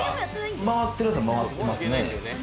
回ってるやつは回ってますね。